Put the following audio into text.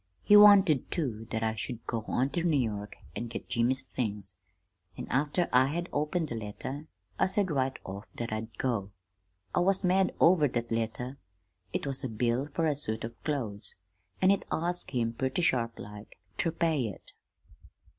He wanted, too, that I should go on ter New York an' get Jimmy's things; an' after I had opened the letter I said right off that I'd go. I was mad over that letter. It was a bill fer a suit of clothes, an' it asked him purty sharplike ter pay it.